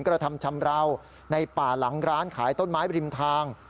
กระทำชำราวในป่าหลังร้านขายต้นไม้บริมทาง